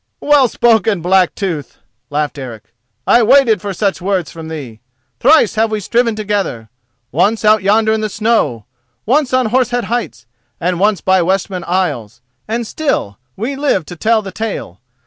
"Well spoken, Blacktooth," laughed Eric. "I waited for such words from thee. Thrice have we striven together—once out yonder in the snow, once on Horse Head Heights, and once by Westman Isles—and still we live to tell the tale.